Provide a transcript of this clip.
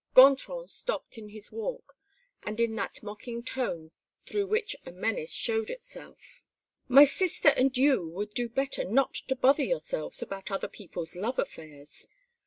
Gontran stopped in his walk, and in that mocking tone through which a menace showed itself: "My sister and you would do better not to bother yourselves about other people's love affairs.